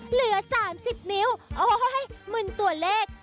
เหลือ๓๐นิ้วโอ้โหมึนตัวเลข